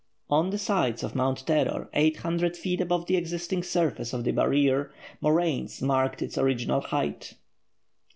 On the sides of Mount Terror, 800 feet above the existing surface of the barrier, moraines marked its original height.